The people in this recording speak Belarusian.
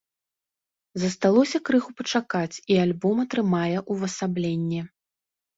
Засталося крыху пачакаць, і альбом атрымае ўвасабленне.